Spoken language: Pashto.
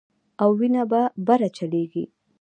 او وينه به بره چليږي